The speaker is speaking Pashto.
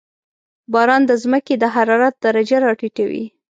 • باران د زمکې د حرارت درجه راټیټوي.